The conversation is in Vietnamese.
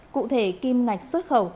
cụ thể kim ngạch xuất khẩu